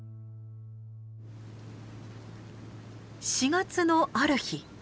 ４月のある日。